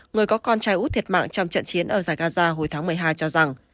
người có con trai út thiệt mạng trong trận chiến ở zagaza hồi tháng một mươi hai cho rằng